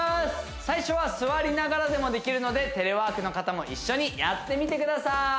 最初は座りながらでもできるのでテレワークの方も一緒にやってみてください